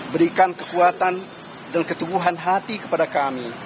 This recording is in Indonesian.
berikan kekuatan dan ketumbuhan hati kepada kami